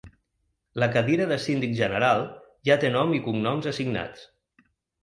La cadira de síndic general ja té nom i cognoms assignats.